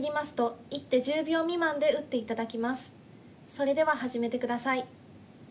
それでは始めて下さい。